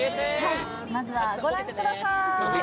まずは、ご覧ください！